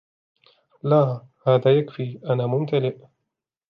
لا, هذا يكفي. أنا ممتلئ.